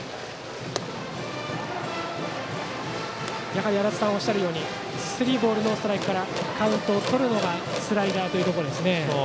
やはり足達さんがおっしゃるようにスリーボール、ノーストライクでカウントをとるのがスライダーというところですね。